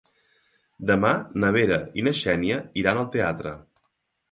Demà na Vera i na Xènia iran al teatre.